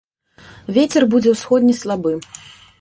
Вецер будзе ўсходні слабы.